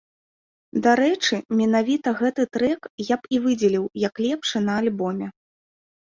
Дарэчы, менавіта гэты трэк я б і выдзеліў, як лепшы на альбоме.